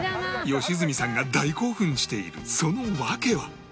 良純さんが大興奮しているその訳は